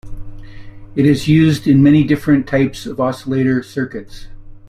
It is used in many different types of oscillator circuits.